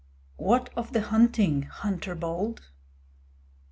What of the hunting, hunter bold?